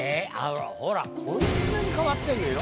ほらこんなに変わってんのよ。